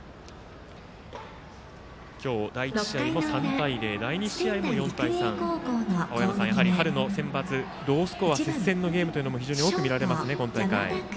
今日、第１試合は３対０第２試合は４対３青山さん、春のセンバツロースコア、接戦のゲームも非常に多く見られますね、今大会。